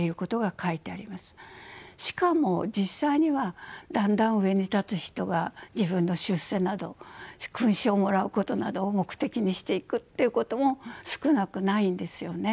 しかも実際にはだんだん上に立つ人が自分の出世など勲章をもらうことなどを目的にしていくっていうことも少なくないんですよね。